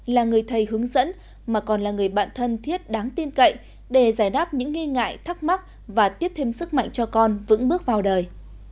là người thầy hướng dẫn mà còn là người bạn thân thiết đáng tin cậy để giải đáp những nghi ngại thắc mắc và tiếp thêm sức mạnh cho con vững bước vào đời